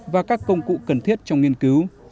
và các công cụ cần thiết trong nghiên cứu